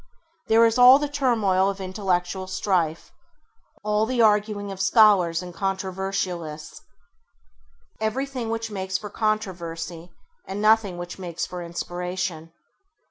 There is all the turmoil of intellectual strife, all the arguing of scholars and controversialists, everything which makes for controversy and nothing which makes for inspiration.